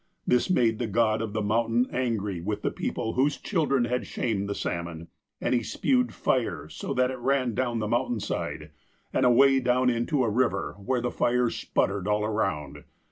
This made the god of the mountain angry with the people whose children had shamed the salmon, and he spewed fire so that it ran down the moun tainside, and way down into a river where the fire sput tered all around.